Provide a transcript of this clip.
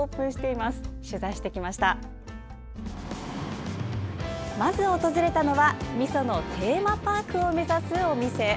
まず訪れたのはみそのテーマパークを目指すお店。